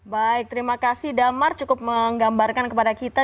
baik terima kasih damar cukup menggambarkan kepada kita